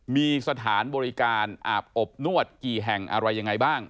มีสถานบริการอาบอบนวดกี่แห่งอะไรยังไงบ้าง